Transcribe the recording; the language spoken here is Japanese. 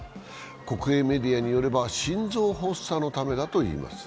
国営メディアによれば心臓発作のためだといいます。